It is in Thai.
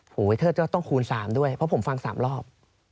โหเวทเทอร์ต้องคูณ๓ด้วยเพราะผมฟัง๓รอบ